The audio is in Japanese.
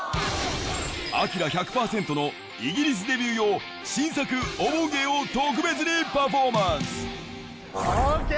アキラ１００％のイギリスデビュー用新作お盆芸を特別にパフォーマンスＯＫ！